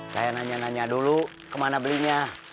saya nanya nanya dulu kemana belinya